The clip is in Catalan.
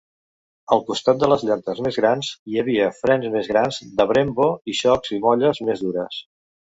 Al costat de les llantes més grans, hi havia frens més grans de Brembo i xocs i molles més dures.